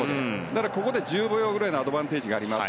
だからここで１５秒くらいのアドバンテージがあります。